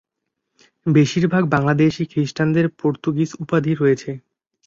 বেশিরভাগ বাংলাদেশী খ্রিস্টানদের পর্তুগিজ উপাধি রয়েছে।